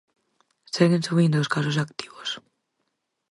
Seguen subindo os casos activos.